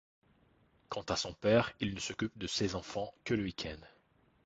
Quant à son père, il ne s'occupe de ses enfants que le week-end.